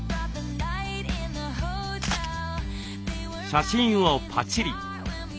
写真をパチリ。